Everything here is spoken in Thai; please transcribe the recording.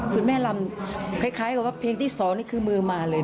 คุณแม่ลำคล้ายกับว่าเพลงที่๒นี่คือมือมาเลย